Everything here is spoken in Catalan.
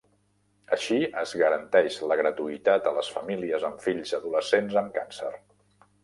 Així es garanteix la gratuïtat a les famílies amb fills adolescents amb càncer.